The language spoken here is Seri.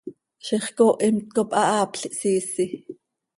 ¡Ziix cooha imt cop hahaapl ihsiisi!